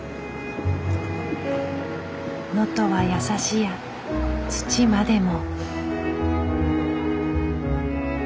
「能登はやさしや土までも」。